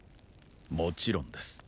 もちろんです。